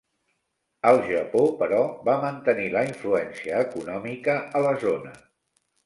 El Japó, però, va mantenir la influència econòmica a la zona.